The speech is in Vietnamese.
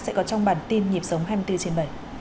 sẽ có trong bản tin nhịp sống hai mươi bốn trên bảy